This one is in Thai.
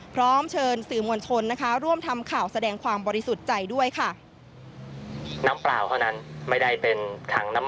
พร้อมเชิญสื่อมวลชนนะคะร่วมทำข่าวแสดงความบริสุทธิ์ใจด้วยค่ะ